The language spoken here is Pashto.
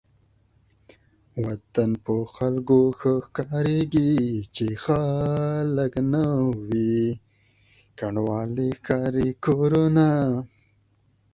وطن په خلکو ښه ښکاريږي چې خلک نه وي کنډوالې ښکاري کورونه